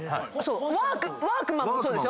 ワークマンもそうですよ。